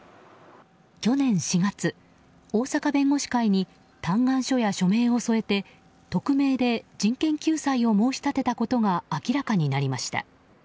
去年４月、大阪弁護士会に嘆願書や署名を添えて匿名で人権救済を申し立てたことが明らかになりました。